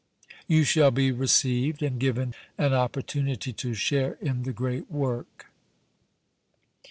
You shall be received and given an opportunity to share in the great work."